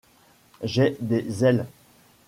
J’ai des ailes.